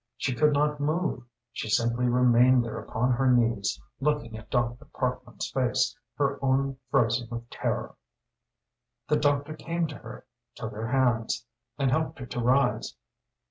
She could not move. She simply remained there upon her knees, looking at Dr. Parkman's face, her own frozen with terror. The doctor came to her, took her hands, and helped her to rise.